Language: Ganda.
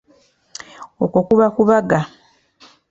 Okwo kuba kubaga.